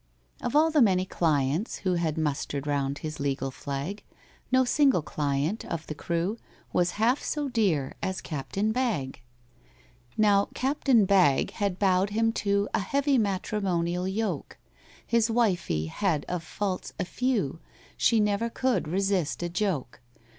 Of all the many clients who Had mustered round his legal flag, No single client of the crew Was half so dear as CAPTAIN BAGG. Now, CAPTAIN BAGG had bowed him to A heavy matrimonial yoke— His wifey had of faults a few— She never could resist a joke.